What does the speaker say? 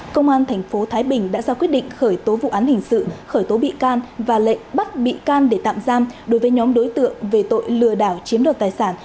công an tp thái bình đã ra quyết định khởi tố vụ án hình sự khởi tố bị can và lệnh bắt bị can để tạm giam đối với nhóm đối tượng về tội lừa đảo chiếm đoạt tài sản